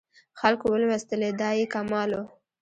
خلکو ولوستلې دا یې کمال و.